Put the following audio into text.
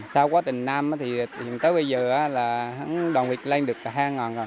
sau quá trình nam thì đến bây giờ là đoàn vịt lên được hai con